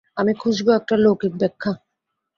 আমি খুঁজব একটা লৌকিক ব্যাখ্যা।